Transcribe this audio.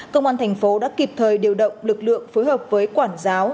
công an tp hcm đã kịp thời điều động lực lượng phối hợp với quản giáo